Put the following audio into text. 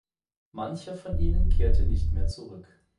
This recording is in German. Mancher von ihnen kehrte nicht mehr zurück.